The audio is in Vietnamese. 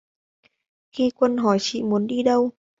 Khi quân hỏi chị muốn đi đâu